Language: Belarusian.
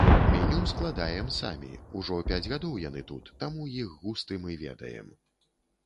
Меню складаем самі, ужо пяць гадоў яны тут, таму іх густы мы ведаем.